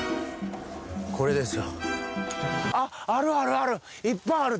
これですよ。